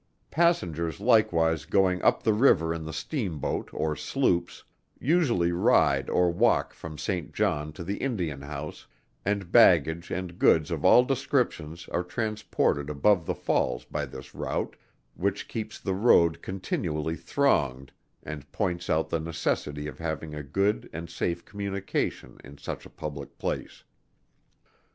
Passengers likewise going up the river in the Steam Boat or Sloops, usually ride or walk from Saint John to the Indian House, and baggage and goods of all descriptions, are transported above the falls by this route, which keeps the road continually thronged, and points out the necessity of having a good and safe communication in such a public place.